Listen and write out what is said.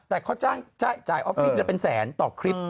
แต่เขาจ่ายออฟฟิศละเป็นแสนต่อคลิป